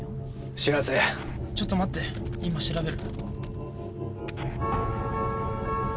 白瀬ちょっと待って今調べる